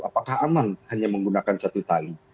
apakah aman hanya menggunakan satu tali